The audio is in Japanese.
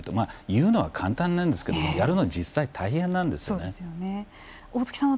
言うのは簡単なんですけどやるのは実際、大変なんですね。